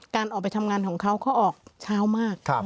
ออกไปทำงานของเขาเขาออกเช้ามาก